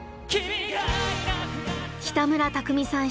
北村匠海さん